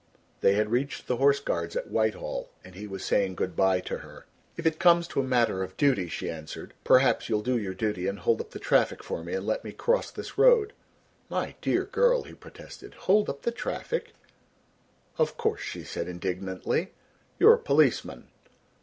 They had reached the Horse Guards at Whitehall and he was saying good bye to her. "If it comes to a matter of duty," she answered, "perhaps you will do your duty and hold up the traffic for me and let me cross this road." "My dear girl," he protested, "hold up the traffic?" "Of course," she said indignantly, "you're a policeman."